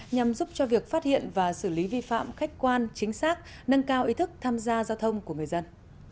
nhằm giúp cho việc phát hiện và xử lý vi phạm khách quan chính xác nâng cao ý thức tham gia giao thông của người dân